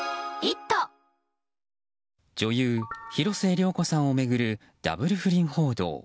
女優・広末涼子さんを巡るダブル不倫報道。